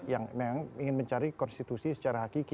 yang memang ingin mencari konstitusi secara hakiki